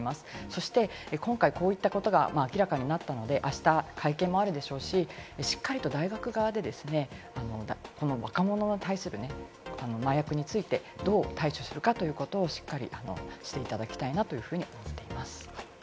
そして今回、こういったことが明らかになったので、あした会見もあるでしょうし、しっかりと大学側で、若者に対する麻薬についてどう対処するかということをしっかりしていただきたいなというふうに思っています。